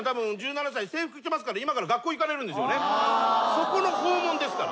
そこの訪問ですから。